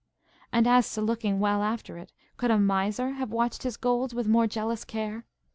And as to looking well after it,–could a miser have watched his gold with more jealous care?